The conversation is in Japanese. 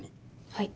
はい。